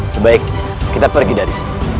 sebaik kita pergi dari sini